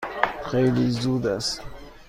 خیلی زود است.